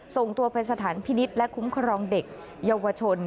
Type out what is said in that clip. ส่งตัวไปสถานพินิษฐ์และคุ้มครองเด็กเยาวชน